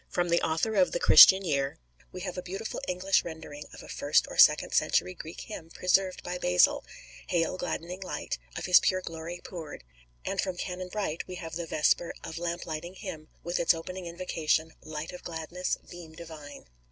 From the author of the "Christian Year" we have a beautiful English rendering of a first or second century Greek hymn, preserved by Basil, "Hail, gladdening Light, of His pure glory poured;" and from Canon Bright we have the vesper or "lamplighting hymn," with its opening invocation, "Light of gladness, Beam Divine."